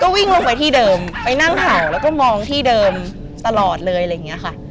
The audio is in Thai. วิ่งลงไปที่เดิมไปนั่งเห่าแล้วก็มองที่เดิมตลอดเลยอะไรอย่างนี้ค่ะ